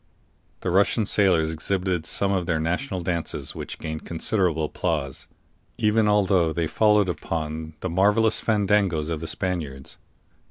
The Russian sailors exhibited some of their national dances, which gained considerable applause, even although they followed upon the marvelous fandangos of the Spaniards.